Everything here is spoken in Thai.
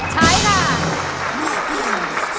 ใช้ค่ะ